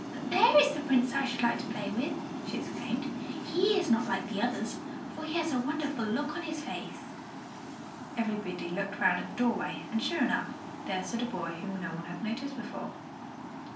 "There is the Prince I should like to play with," she exclaimed. "He is not like the others, for he has a wonderful look on his face." Everybody looked round at the doorway; and, sure enough, there stood a boy whom no one had noticed before.